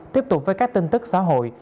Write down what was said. tiếp tục với các tin tức xã hội